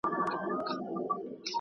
خپل کار په غوره توګه ترسره کړئ.